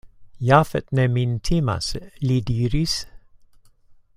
Jafet ne min timas, li diris.